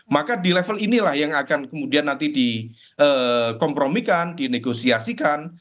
maka di level inilah yang akan kemudian nanti di kompromikan di negosiasikan